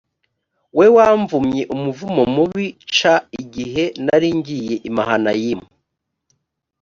we wamvumye umuvumo mubi c igihe nari ngiye i mahanayimu